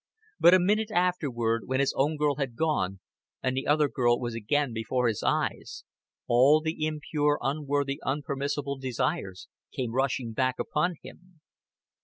But a minute afterward, when his own girl had gone and the other girl was again before his eyes, all the impure unworthy unpermissible desires came rushing back upon him.